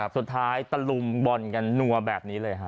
สุดท้ายตะลุมบ่อนกันหนัวแบบนี้เลยฮะ